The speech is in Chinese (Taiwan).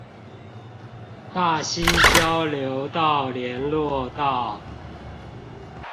大溪交流道聯絡道